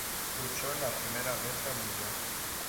Luchó en la Primera Guerra Mundial.